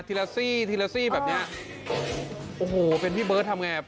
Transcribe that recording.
ละซี่ทีละซี่แบบเนี้ยโอ้โหเป็นพี่เบิร์ตทำไงอ่ะ